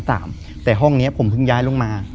แต่ห้องนี้ผมเพิ่งย้ายลงมา